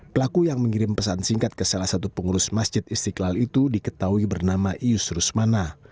pelaku yang mengirim pesan singkat ke salah satu pengurus masjid istiqlal itu diketahui bernama ius rusmana